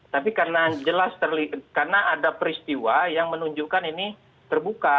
tapi karena ada peristiwa yang menunjukkan ini terbuka